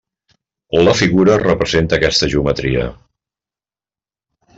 La figura representa aquesta geometria.